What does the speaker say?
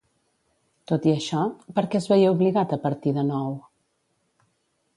Tot i això, per què es veié obligat a partir de nou?